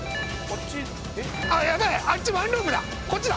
こっち？